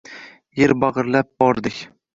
Er bag`irlab bordik